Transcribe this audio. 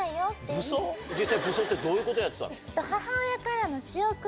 実際武装ってどういうことやってたの？